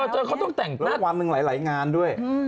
เธอเขาต้องแต่งตั้งวันหนึ่งหลายงานด้วย